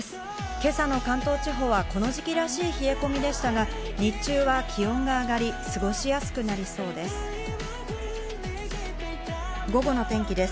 今朝の関東地方はこの時期らしい冷え込みでしたが、日中は気温が上がり、過ごしやすくなりそうです。